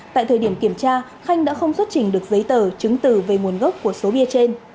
tại thời điểm kiểm tra khanh đã không xuất trình được giấy tờ chứng từ về nguồn gốc của số bia trên